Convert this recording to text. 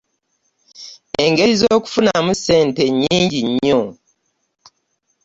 Engeri zokufunamu ssente nnnnyingi nnyo.